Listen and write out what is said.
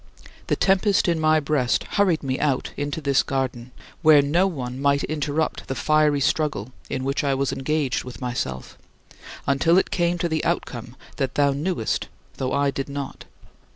The tempest in my breast hurried me out into this garden, where no one might interrupt the fiery struggle in which I was engaged with myself, until it came to the outcome that thou knewest though I did not.